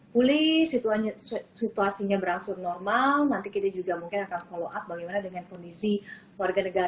pilih situ usw situasinya berangkut normal nanti kita juga mungkin akan follow up bagaimana dengan kondisi witraendo